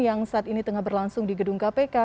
yang saat ini tengah berlangsung di gedung kpk